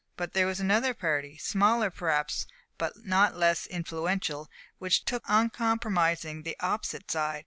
But there was another party, smaller perhaps but not less influential, which took uncompromisingly the opposite side.